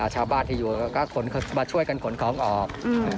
ชาวบ้านที่อยู่ก็มาช่วยกันขนของออก